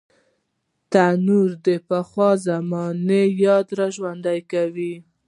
تنور د پخوا زمانې یاد راژوندي کوي